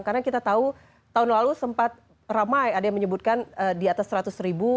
karena kita tahu tahun lalu sempat ramai ada yang menyebutkan di atas seratus ribu